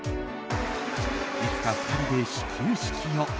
いつか２人で始球式を。